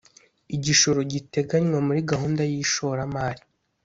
Igishoro giteganywa muri gahunda y’ ishoramari